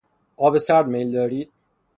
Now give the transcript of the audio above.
آب سرد میل دارید؟